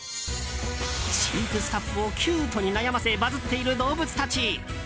飼育スタッフをキュートに悩ませバズっている動物たち。